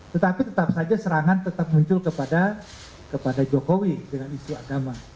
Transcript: tetapi tetap saja serangan tetap muncul kepada jokowi dengan isu agama